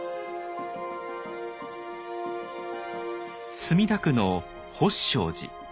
墨田区の法性寺。